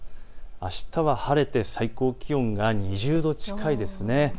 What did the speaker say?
あしたは晴れて最高気温が２０度近いですね。